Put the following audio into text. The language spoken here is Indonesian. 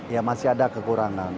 ya masih ada kekurangan